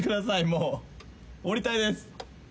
もう降りたいです。